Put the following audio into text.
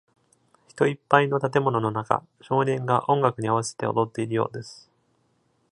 人いっぱいの建物の中、少年が音楽に合わせて踊っているようです。